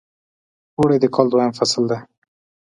اوړی د کال دویم فصل دی .